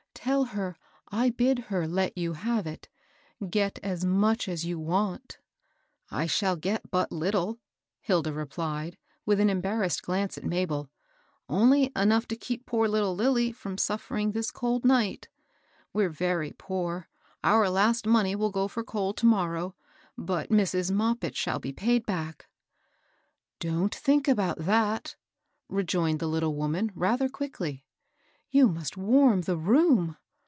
Tell her I bid her let you have it ; get as much as you want." " I shall get but httle," Hilda replied, with an embarrassed glance at Mabel, —" only enough to keep poor little Lilly from suffering this cold night. We're very poor — our last money will go for coal to morrow ; but Mrs. Moppit shall be paid back.'' "Don't think about that," rejoined the litde woman, rather quickly. " You must warm the room.